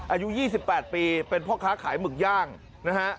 อายุ๒๘ปีเป็นพ่อค้าขายหมึกย่างนะฮะ